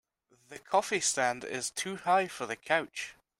The coffee stand is too high for the couch.